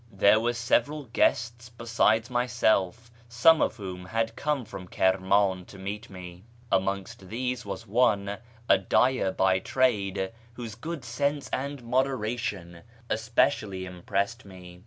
There were several guests besides my self, some of whom had come from Kirman to meet me. Amongst these was one, a dyer by trade, whose good sense and moderation especially impressed me.